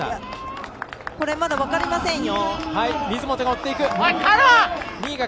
これ、まだ分かりませんよ。